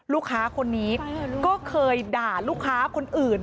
ลูกค้าคนนี้ก็เคยด่าลูกค้าคนอื่น